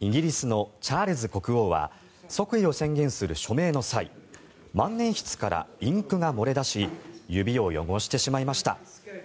イギリスのチャールズ国王は即位を宣言する署名の際万年筆からインクが漏れ出し指を汚してしまいました。